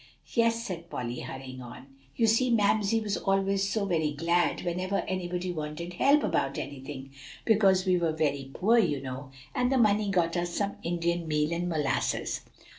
"Yes," said Polly, hurrying on. "You see, Mamsie was always so very glad whenever anybody wanted help about anything, because we were very poor, you know, and the money got us some Indian meal and molasses."